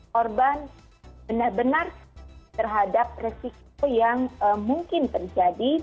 korban benar benar terhadap resiko yang mungkin terjadi